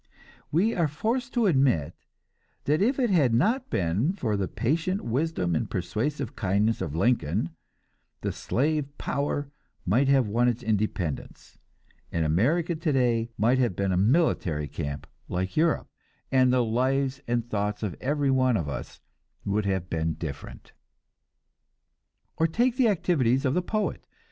We are forced to admit that if it had not been for the patient wisdom and persuasive kindness of Lincoln, the Slave Power might have won its independence, and America today might have been a military camp like Europe, and the lives and thoughts of every one of us would have been different. Or take the activities of the poet.